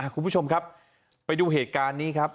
คุณผู้ชมครับไปดูเหตุการณ์นี้ครับ